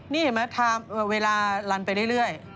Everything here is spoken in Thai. นี่เห็นไหมเวลาลันไปเรื่อย